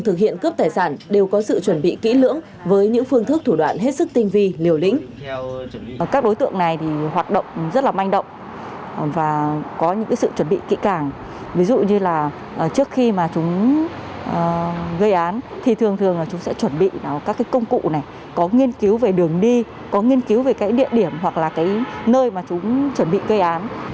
trước khi mà chúng gây án thì thường thường là chúng sẽ chuẩn bị các công cụ này có nghiên cứu về đường đi có nghiên cứu về cái địa điểm hoặc là cái nơi mà chúng chuẩn bị gây án